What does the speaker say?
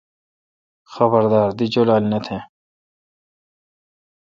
خبردار۔ دی جولال نہ تہ۔